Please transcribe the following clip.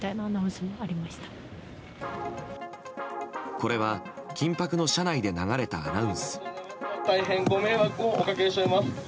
これは緊迫の車内で流れたアナウンス。